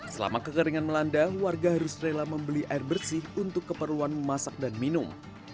selama kekeringan melanda warga harus rela membeli air bersih untuk keperluan memasak dan minum